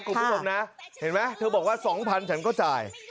ผมพูดบอกนะเห็นไหมเธอบอกว่า๒๐๐๐บาทฉันก็จ่าย